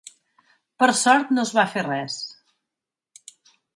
Per sort no es va fer res.